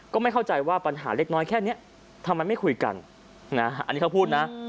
ก็ไม่เข้าใจว่าปัญหาเล็กน้อยแค่นี้ทำไมไม่คุยกันอันนี้เขาพูดนะ